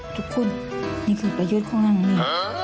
ทุกคนนี่คือประโยชน์ของอันนี้